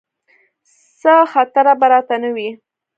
څه خطره به راته نه وي.